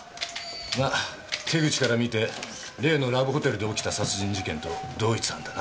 ま手口から見て例のラブホテルで起きた殺人事件と同一犯だな。